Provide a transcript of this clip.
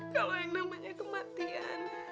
kalo yang namanya kematian